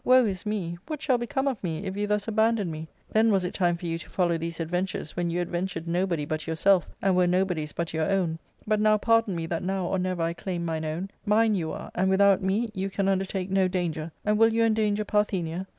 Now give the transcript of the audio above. Woe is me ! what shall become of me, if you thus abandon me ? Then was it time for you to follow these adventures when you adventured nobody but yourself, and were nobody's but your own. But now pardon me that now or never I claim mine own ; mine you are, and without me you can undertake no danger, and will you endanger Parthenia?